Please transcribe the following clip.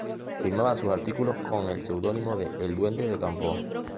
Firmaba sus artículo con el seudónimo de "El duende de Campoo".